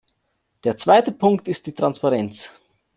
Der zweite Punkt ist die Transparenz.